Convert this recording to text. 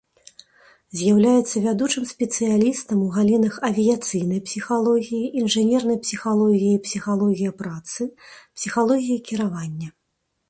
З'яўляецца вядучым спецыялістам у галінах авіяцыйнай псіхалогіі, інжынернай псіхалогіі і псіхалогіі працы, псіхалогіі кіравання.